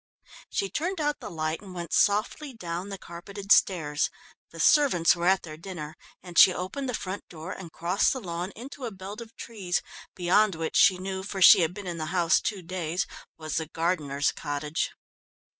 She turned out the light and went softly down the carpeted stairs. The servants were at their dinner, and she opened the front door and crossed the lawn into a belt of trees, beyond which she knew, for she had been in the house two days, was the gardener's cottage.